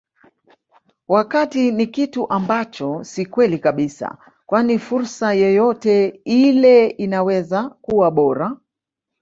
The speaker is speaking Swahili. wakati ni kitu ambacho si kweli kabisa kwani fursa yeyote ile inaweza kuwa bora